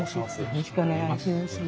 よろしくお願いします。